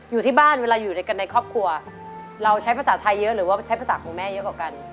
อยู่ที่บ้านเวลาอยู่ด้วยกันในครอบครัวเราใช้ภาษาไทยเยอะหรือว่าใช้ภาษาของแม่เยอะกว่ากัน